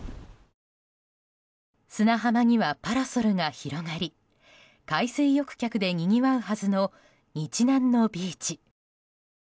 砂浜にはパラソルが広がり海水浴客でにぎわうはずの日南のビーチ。